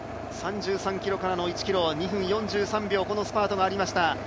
３３ｋｍからの１ｋｍを２分４３秒、このスパートがありました。